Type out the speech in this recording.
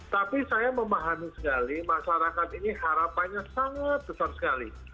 tapi saya memahami sekali masyarakat ini harapannya sangat besar sekali